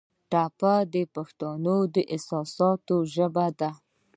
ټپه د پښتو د احساساتو ژبه ده.